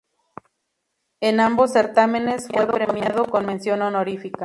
En ambos certámenes fue premiado con mención honorífica.